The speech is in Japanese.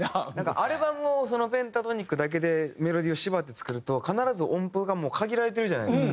アルバムをペンタトニックだけでメロディーを縛って作ると必ず音符がもう限られてるじゃないですか。